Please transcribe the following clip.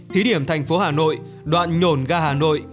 thí điểm thành phố hà nội đoạn nhổn ga hà nội